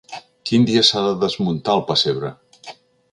Quin dia s’ha de desmuntar el pessebre?